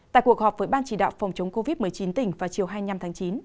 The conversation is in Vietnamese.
tại cuộc họp với ban chỉ đạo phòng chống covid một mươi chín tỉnh vào chiều hai mươi năm tháng chín